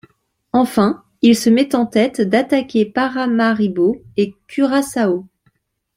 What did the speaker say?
Enfin, il se met en tête d'attaquer Paramaribo et Curaçao.